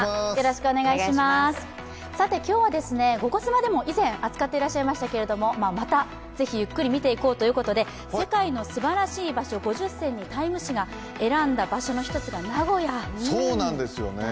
今日は、「ゴゴスマ」でも以前扱っていらっしゃいましたけど、またぜひゆっくり見ていこうということで、世界の素晴らしい場所５０選に「タイム」誌が選んだ場所の１つが名古屋だったんですよね。